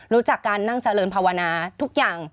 รู้จักการนั่งเจริญภาวนาทุกอย่าง